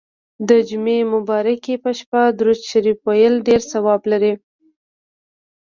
د جمعې مبارڪي په شپه درود شریف ویل ډیر ثواب لري.